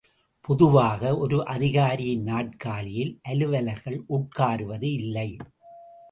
பொதுவாக, ஒரு அதிகாரியின் நாற்காலியில், அலுவலர்கள் உட்காருவது இல்லை.